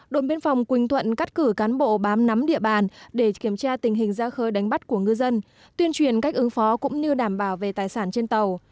đội biên phòng quỳnh thuận cắt cử cán bộ bám nắm địa bàn để kiểm tra tình hình ra khơi đánh bắt của ngư dân tuyên truyền cách ứng phó cũng như đảm bảo về tài sản trên tàu